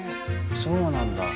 そうなんだ。